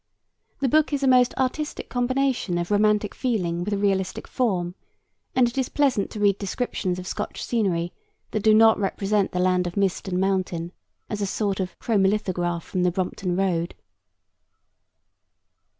The book is a most artistic combination of romantic feeling with realistic form, and it is pleasant to read descriptions of Scotch scenery that do not represent the land of mist and mountain as a sort of chromolithograph from the Brompton Road.